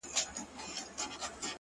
بيا دې په سجده کي په ژړا وينم-